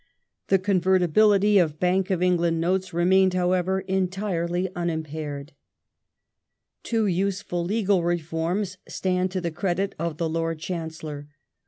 The convertibility of Bank of England notes riemained, however, entirely unimpaired. Legal re Two useful legal leforms stand to the credit of the Lord orms Chancellor.